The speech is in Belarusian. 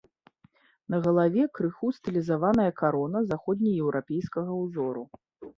На галаве крыху стылізаваная карона заходнееўрапейскага ўзору.